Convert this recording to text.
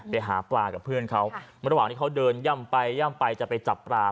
ไปหาปลากับเพื่อนเขาระหว่างที่เขาเดินย่ำไปย่ำไปจะไปจับปลา